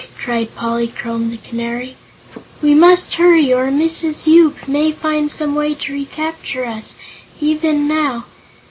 cried Polychrome the Canary; "we must hurry, or Mrs. Yoop may find some way to recapture us, even now.